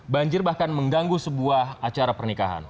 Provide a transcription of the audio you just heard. banjir bahkan mengganggu sebuah acara pernikahan